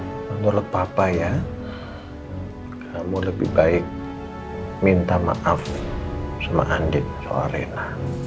menurut papa ya kamu lebih baik minta maaf sama andik soal rena